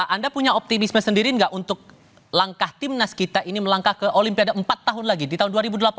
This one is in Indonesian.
anda punya optimisme sendiri nggak untuk langkah timnas kita ini melangkah ke olimpiade empat tahun lagi di tahun dua ribu delapan belas